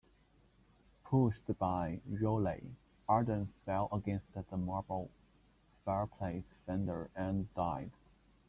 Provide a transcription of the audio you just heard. Pushed by Rowley, Arden fell against the marble fireplace fender and died.